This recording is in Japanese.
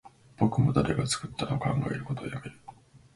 僕も誰が作ったのか考えることをやめる